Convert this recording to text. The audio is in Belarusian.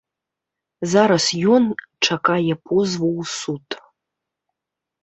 Зараз ён чакае позву ў суд.